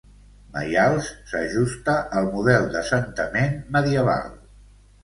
Maials s'ajusta al model d'assentament medieval.